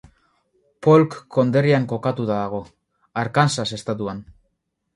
Polk konderrian kokatuta dago, Arkansas estatuan.